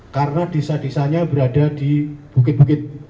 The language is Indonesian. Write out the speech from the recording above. karena desa desanya berada di bukit bukit